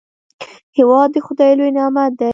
هېواد د خداي لوی نعمت دی.